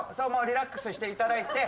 リラックスしていただいて。